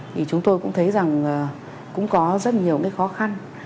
thì chúng tôi cũng thấy rằng cũng có rất nhiều cái khó khăn